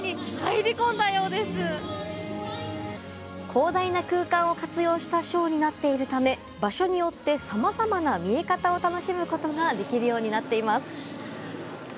広大な空間を活用したショーになっているため場所によってさまざまな見え方を楽しむことができるようになっています。